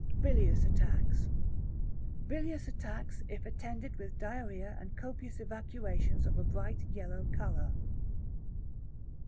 Bilious Attacks Bilious attacks, if attended with diarrhoea and copious evacuations of a bright yellow colour.